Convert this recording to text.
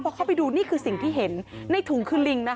พอเข้าไปดูนี่คือสิ่งที่เห็นในถุงคือลิงนะคะ